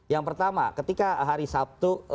yang pertama ketika hari sabtu